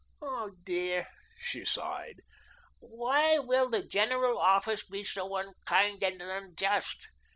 Oh, dear," she sighed, "why will the General Office be so unkind and unjust?